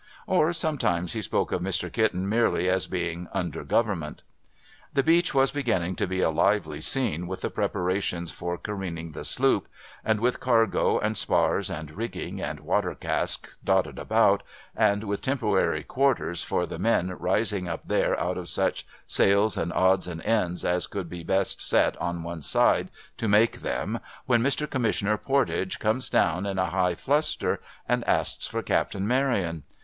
Or sometimes he spoke of Mn Kitten, merely as being ' under Government.' The beach was beginning to be a lively scene with the preparations for careening the sloop, and, with cargo, and spars, and rigging, and water casks, dotted about it, and with temporary quarters for the men rising up there out of such sails and odds and ends as could be best set on one side to make them, when Mr. Commissioner Pordage comes down in a high fluster, and asks for Captain Maryon.